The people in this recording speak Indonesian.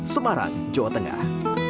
semarang jawa tengah